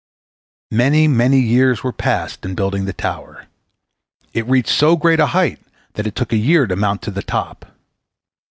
Many, many years were passed in building the tower. It reached so great a height that it took a year to mount to the top.